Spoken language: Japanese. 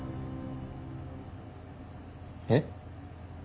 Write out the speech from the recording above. えっ？